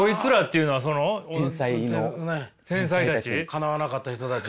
かなわなかった人たち。